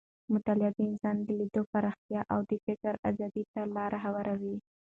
مطالعه د انسان د لید پراختیا او د فکر ازادۍ ته لاره هواروي.